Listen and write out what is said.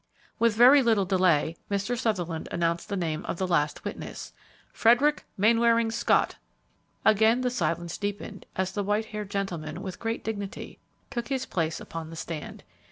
With very little delay, Mr. Sutherland announced the name of the last witness, "Frederick Mainwaring Scott!" Again the silence deepened as the white haired gentleman, with great dignity, took his place upon the stand.